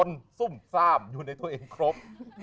มีความเป็นผู้หญิงที่เป็นผู้หญิงที่อยู่ในตัวเองครบ